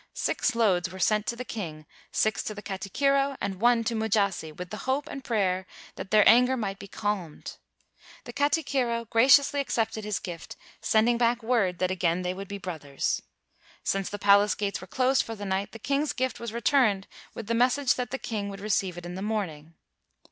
Six loads were sent to the king, six to the katikiro, and one to Mujasi, with the hope and prayer that their anger might be calmed. The katikiro graciously accepted his gift, sending back word that again they would be brothers. Since the palace gates were closed for the night, the king's gift was returned with the message that the king would receive it in the morn ing.